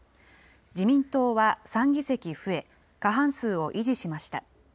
自民党は３議席増え、過半数を維持しました。